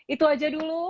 itu aja dulu